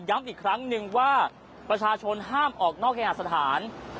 อีกครั้งหนึ่งว่าประชาชนห้ามออกนอกเคหาสถาน